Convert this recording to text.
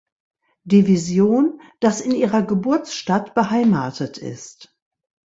Division, das in ihrer Geburtsstadt beheimatet ist.